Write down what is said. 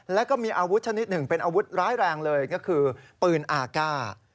แล้วก็มีอาวุธชนิดหนึ่งเป็นอาวุธร้ายแรงเลยก็คือปืนอากาศ